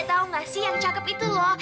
tau gak sih yang cakep itu loh